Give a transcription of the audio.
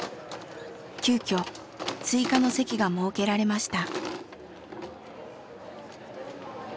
急遽追加の席が設けられました。